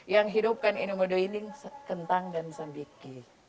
yang dihidupkan ini modo inding kentang dan sambiki